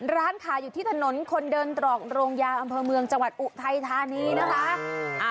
ร้านขายอยู่ที่ถนนคนเดินตรอกโรงยาอำเภอเมืองจังหวัดอุทัยธานีนะคะ